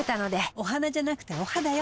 お花じゃなくてお肌よ。